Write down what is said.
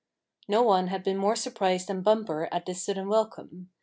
No one had been more surprised than Bumper at this sudden welcome.